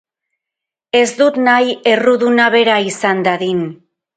Ez dut nahi erruduna bera izan dadin.